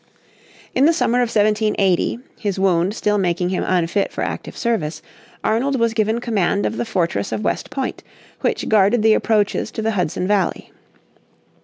In the summer of 1780, his wound still making him unfit for active service, Arnold was given command of the fortress of West Point, which guarded the approaches to the Hudson Valley.